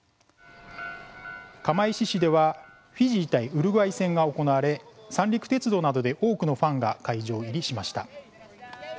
釜石市ではフィジー対ウルグアイ戦が行われ三陸鉄道などで多くのファンが会場入りしました。